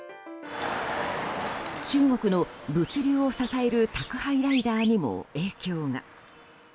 中国の物流を支える宅配ライダーにも影響が。